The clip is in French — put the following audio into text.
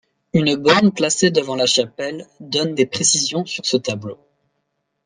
Une borne placée devant la chapelle, donne des précisions sur ce tableau.